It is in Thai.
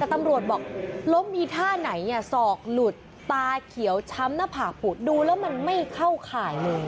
แต่ตำรวจบอกล้มมีท่าไหนศอกหลุดตาเขียวช้ำหน้าผากปูดดูแล้วมันไม่เข้าข่ายเลย